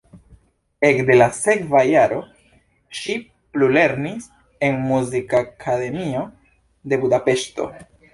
Ekde la sekva jaro ŝi plulernis en Muzikakademio de Budapeŝto.